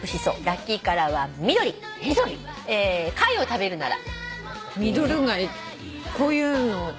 「貝を食べるなら」